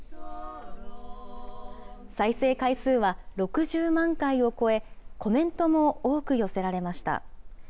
再生回数は６０万回を超え、コメントも多く寄せられました。